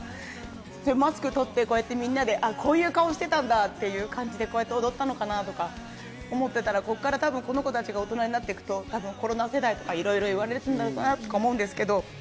でもマスク取ってこうやってみんなであっこういう顔してたんだっていう感じでこうやって踊ったのかなとか思ってたらこっから多分この子たちが大人になってくと多分コロナ世代とかいろいろ言われるんだろうなとか思うんですけど。